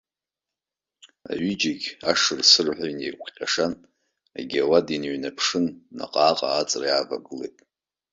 Аҩыџьагьы ашырсырҳәа инеикәҟьашан, егьи ауада иныҩнаԥшын, наҟ-ааҟ ааҵра инавалеит.